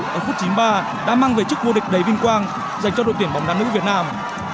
ở phút chín mươi ba đã mang về chức vô địch đầy vinh quang dành cho đội tuyển bóng đá nữ việt nam